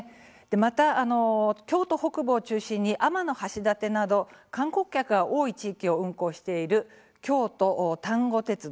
また、京都北部を中心に天橋立など観光客が多い地域を運行している京都丹後鉄道。